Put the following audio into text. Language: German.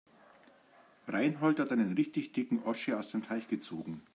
Reinhold hat einen richtig dicken Oschi aus dem Teich gezogen.